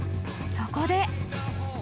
［そこで］